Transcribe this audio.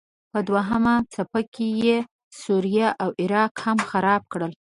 په دوهمه څپه کې یې سوریه او عراق هم خراب کړل.